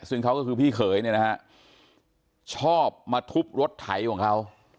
ซึ่งเขาก็คือพี่เขยเนี่ยนะฮะชอบมาทุบรถไถของเขา